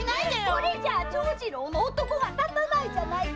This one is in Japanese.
それじゃあ長次郎の男が立たないじゃないか！